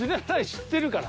知ってるから。